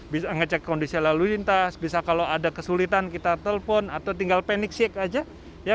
bisa ngecek kondisi lalu lintas bisa kalau ada kesulitan kita telpon atau tinggal panic shake aja ya